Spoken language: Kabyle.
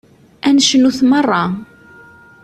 Ad necnut meṛṛa.